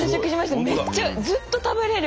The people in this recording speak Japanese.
めっちゃずっと食べれる。